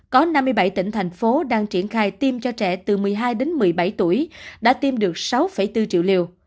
có năm mươi bảy tỉnh thành phố đang triển khai tiêm cho trẻ từ một mươi hai đến một mươi bảy tuổi đã tiêm được sáu bốn triệu liều